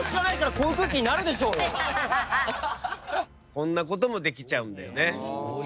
こんなこともできちゃうんだよね。